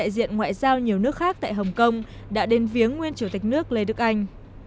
việt nam tại hồng kông đã đền viếng nguyên chủ tịch nước lê đức anh